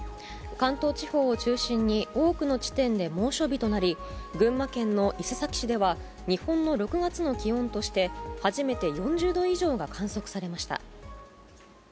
関東地方を中心に、多くの地点で猛暑日となり、群馬県の伊勢崎市では、日本の６月の気温として、初めて４０度以上が観測されました。